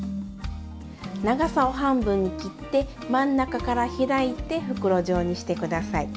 長さを半分に切って真ん中から開いて袋状にして下さい。